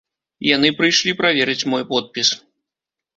Яны прыйшлі праверыць мой подпіс.